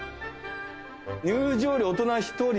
入場料大人一人。